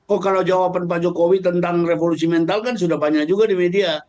oh kalau jawaban pak jokowi tentang revolusi mental kan sudah banyak juga di media